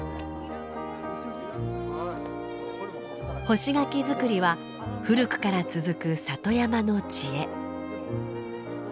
干し柿作りは古くから続く里山の知恵。